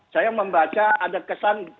saya membaca ada kesan